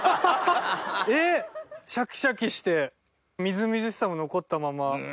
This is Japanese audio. えっ？シャキシャキしてみずみずしさも残ったまま。